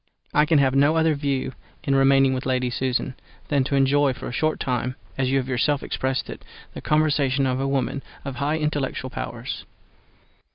I can have no other view in remaining with Lady Susan, than to enjoy for a short time (as you have yourself expressed it) the conversation of a woman of high intellectual powers.